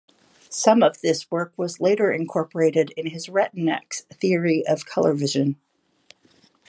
Some of this work was later incorporated in his Retinex theory of color vision.